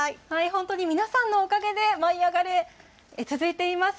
本当に皆さんのおかげで、舞いあがれ！続いています。